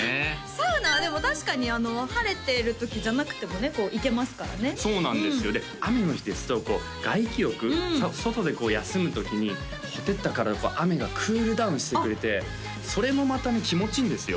サウナはでも確かに晴れている時じゃなくてもね行けますからねそうなんですよで雨の日ですと外気浴外で休む時に火照った体を雨がクールダウンしてくれてそれもまたね気持ちいいんですよ